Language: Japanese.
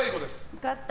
分かった。